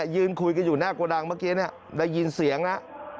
ยืนคุยกันอยู่หน้าโกดังเมื่อกี้ได้ยินเสียงนะ